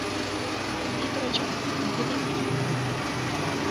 ভিতরে চল মুভি দেখবি না?